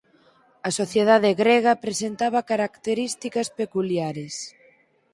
A sociedade grega presentaba características peculiares.